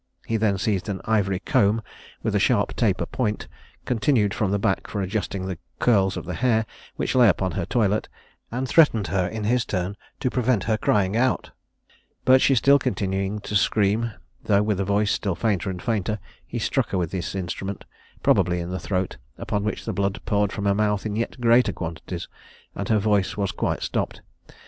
He then seized an ivory comb, with a sharp taper point continued from the back for adjusting the curls of her hair, which lay upon her toilet, and threatened her in his turn to prevent her crying out; but she still continuing to scream, though with a voice still fainter and fainter, he struck her with this instrument, probably in the throat, upon which the blood poured from her mouth in yet greater quantities, and her voice was quite stopped.